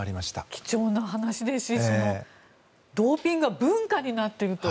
貴重な話ですしドーピングは文化になっていると。